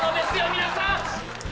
皆さん！